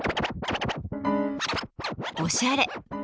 「おしゃれ」。